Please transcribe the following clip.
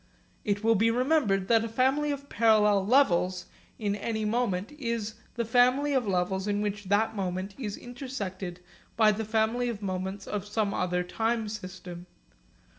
It will be remembered that a family of parallel levels in any moment is the family of levels in which that moment is intersected by the family of moments of some other time system.